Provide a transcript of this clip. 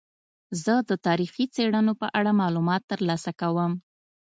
زه د تاریخي څیړنو په اړه معلومات ترلاسه کوم.